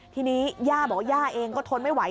ทีนี้ย่าบอกว่าย่าเองก็ทนไม่ไหว